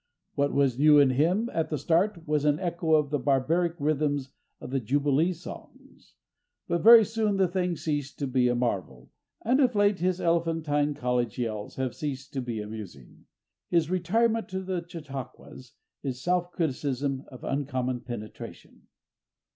What was new in him, at the start, was an echo of the barbaric rhythms of the Jubilee Songs. But very soon the thing ceased to be a marvel, and of late his elephantine college yells have ceased to be amusing. His retirement to the chautauquas is self criticism of uncommon penetration.